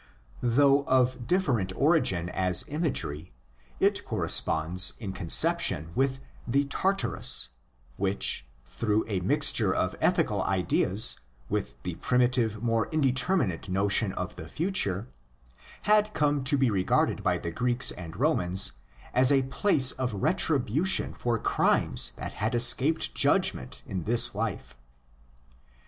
Though of different origin as imagery, 10 corresponds in conception with the '' Tartarus '' which, through a mixture of ethical ideas with the primitive, more indeterminate notion of the future, had come to be regarded by the Greeks and Romans as a place of retribution for crimes that had escaped judgment in this life.